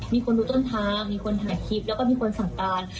มีคนรู้ต้นทางมีคนถ่ายคลิปแล้วก็มีคนสั่งการ